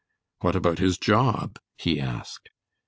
"What about his job?" he asked.